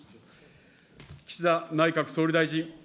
岸田内閣総理大臣。